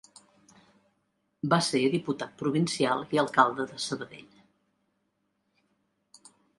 Va ser diputat provincial i alcalde de Sabadell.